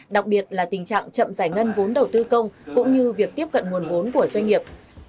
đặc biệt là tình trạng chậm giải ngân vốn đầu tư công cũng như việc tiếp cận nguồn vốn của doanh nghiệp